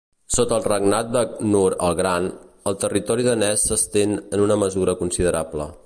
Sota el regnat de Knut el Gran, el territori danès s'estén en una mesura considerable.